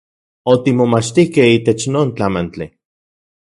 Otimomachtikej itech non tlamantli.